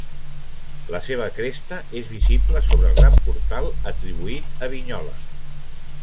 La seva cresta és visible sobre el gran portal, atribuït a Vignola.